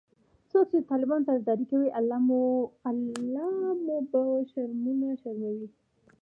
څوک چې د طالبانو طرفدارې کوي الله مو به شرمونو وشرموه😖